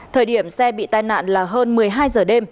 thời điểm xe bị tai nạn là hơn một mươi hai giờ đêm